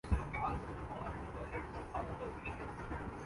ہم نے اس کا حساب لگا لیا۔